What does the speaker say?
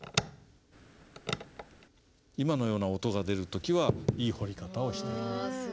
今のような音が出る時はいい彫り方をしている。